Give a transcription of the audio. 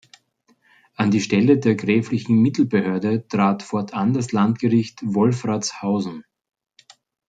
An die Stelle der gräflichen Mittelbehörde trat fortan das Landgericht Wolfratshausen.